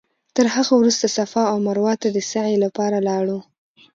تر هغه وروسته صفا او مروه ته د سعې لپاره لاړو.